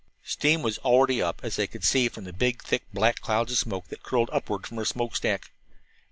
Steam already was up, as they could see from the thick black clouds of smoke that curled upward from her smokestack.